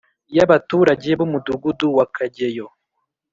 y’abaturage b’umudugudu wa kageyo,